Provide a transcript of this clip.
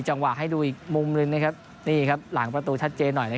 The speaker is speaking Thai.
ให้ดูอีกมุมหนึ่งหลังประตูชัดเจนหน่อย